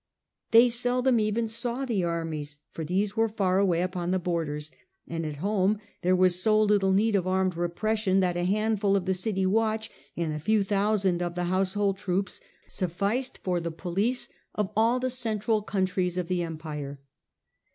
They seldom even saw the armies, for these were far away upon the borders, and at home there Little police 1 • 1 1 i ,. t force was SO little need of armed repression that needed. ^ handful of the city watch and a few thou sand of the household troops sufficed for the police of all the central countries of the Empire.